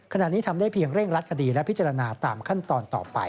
ขณะนี้ทำได้เพียงเร่งรัดคดีและพิจารณาตามขั้นตอนต่อไป